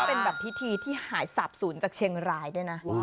เป็นแบบพิธีที่หายสาบศูนย์จากเชียงรายด้วยนะ